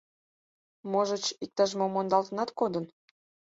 Можыч, иктаж-мо мондалтынат кодын.